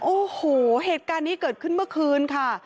โอ้โหเหตุการณ์นี้เกิดขึ้นเมื่อคืนค่ะ